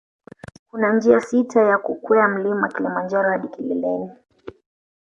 Kuna njia sita za kukwea mlima Kilimanjaro hadi kileleni